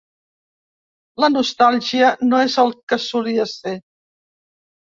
La nostàlgia no és el que solia ser.